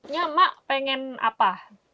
nya mak pengen apa